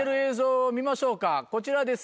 こちらです。